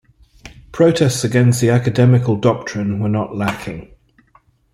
Protests against the academical doctrine were not lacking.